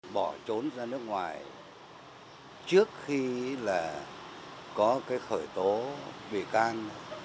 bỏ trốn ra nước ngoài trước khi là có cái khởi tố bị can